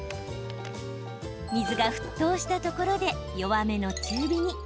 水が沸騰したところで弱めの中火に。